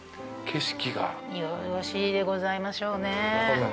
よろしいでございましょうね。